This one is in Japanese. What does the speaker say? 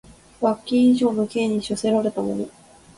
罰金以上の刑に処せられた者